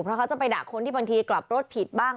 เพราะเขาจะไปด่าคนที่บางทีกลับรถผิดบ้าง